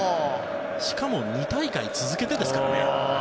しかも２大会続けてですからね。